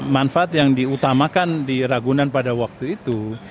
manfaat yang diutamakan di ragunan pada waktu itu